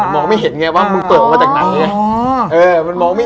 มองไม่เห็นไงว่ามึงเปิดออกมาจากไหนไง